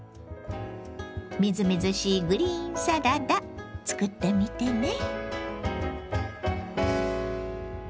みずみずしいグリーンサラダ作ってみてね。